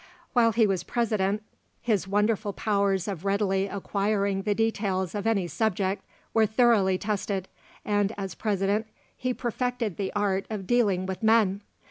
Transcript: While he was President, his wonderful powers of readily acquiring the details of any subject were thoroughly tested, and as President, he perfected the art of dealing with men.